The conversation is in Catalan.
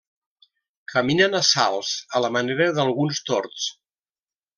Caminen a salts, a la manera d'alguns tords.